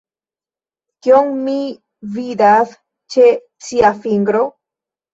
Kion mi vidas ĉe cia fingro?